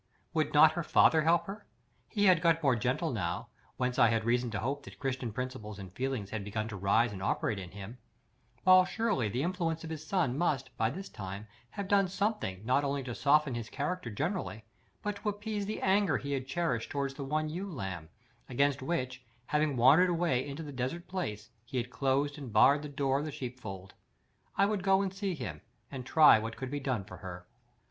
Would not her father help her? He had got more gentle now; whence I had reason to hope that Christian principles and feelings had begun to rise and operate in him; while surely the influence of his son must, by this time, have done something not only to soften his character generally, but to appease the anger he had cherished towards the one ewe lamb, against which, having wandered away into the desert place, he had closed and barred the door of the sheep fold. I would go and see him, and try what could be done for her.